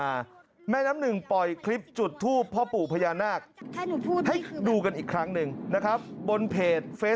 ถ้าทำกับกูแบบนี้